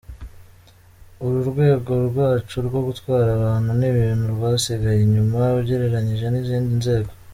Uru rwego rwacu rwo gutwara abantu n’ibintu rwasigaye inyuma ugereranyije n’izindi nzego.